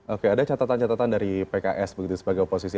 oke ada catatan catatan dari pks begitu sebagai oposisi